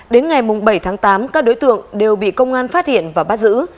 đến ngày bảy tháng tám các đối tượng đều bị công an phát hiện và bắt giữ